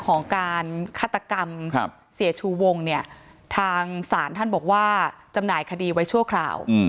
ของการฆาตกรรมเสียชูวงเนี่ยทางศาลท่านบอกว่าจำหน่ายคดีไว้ชั่วคราว